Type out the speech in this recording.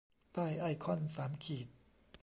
ใต้ไอคอนสามขีด